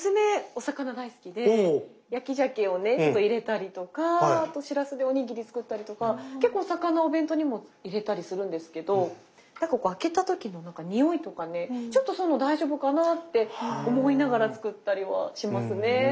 お魚大好きで焼きジャケをねちょっと入れたりとかあとシラスでおにぎり作ったりとか結構お魚お弁当にも入れたりするんですけどなんかこう開けた時のにおいとかねちょっとその大丈夫かなあって思いながら作ったりはしますね。